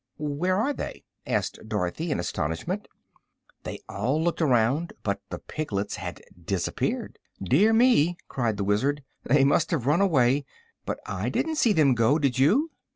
"Where are they?" asked Dorothy, in astonishment. They all looked around, but the piglets had disappeared. "Dear me!" cried the Wizard; "they must have run away. But I didn't see them go; did you?"